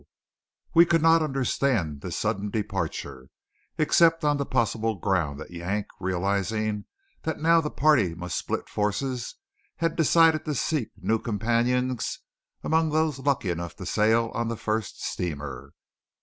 We could not understand this sudden departure, except on the possible ground that Yank, realizing that now the party must split forces, had decided to seek new companions among those lucky enough to sail on the first steamer.